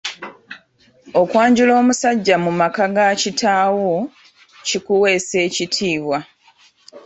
Okwanjula omusajja mu maka ga kitaawo, kikuweesa ekitiibwa.